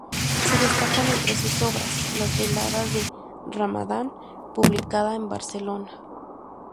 Se destacan entre sus obras "Las Veladas de Ramadán", publicada en Barcelona.